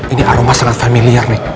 ini aroma sangat familiar nih